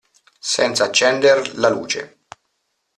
Senza accender la luce.